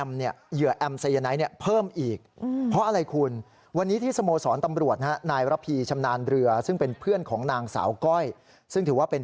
ว่า๙ศพแล้วก็รอด๑คนนะครับ